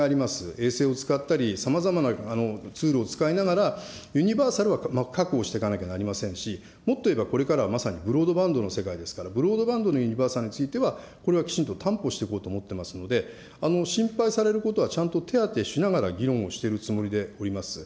衛星を使ったり、さまざまなツールを使いながら、ユニバーサルは確保していかなければなりませんし、もっと言えばこれからは、まさにブロードバンドの世界ですから、ブロードバンドのユニバーサルについては、これはきちんと担保していこうと思っていますので、心配されることはちゃんと手当てしながら、議論をしてるつもりでおります。